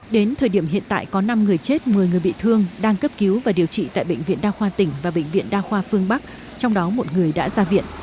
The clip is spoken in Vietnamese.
đến thời điểm hiện tại có năm người chết một mươi người bị thương đang cấp cứu và điều trị tại bệnh viện đa khoa tỉnh và bệnh viện đa khoa phương bắc trong đó một người đã ra viện